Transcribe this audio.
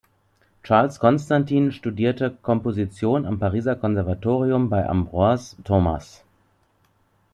Charles Constantin studierte Komposition am Pariser Konservatorium bei Ambroise Thomas.